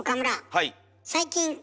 はい。